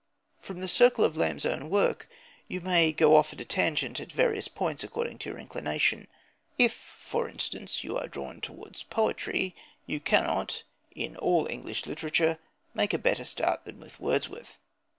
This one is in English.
From the circle of Lamb's own work you may go off at a tangent at various points, according to your inclination. If, for instance, you are drawn towards poetry, you cannot, in all English literature, make a better start than with Wordsworth.